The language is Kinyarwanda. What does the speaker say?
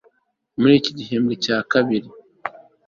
muri iki gihembwe cya mbere